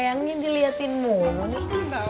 ayangnya diliatin mulu nih